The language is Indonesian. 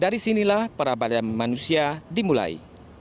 dari sinilah perabadan manusia dimulai